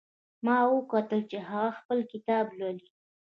ما وکتل چې هغه خپل کتاب لولي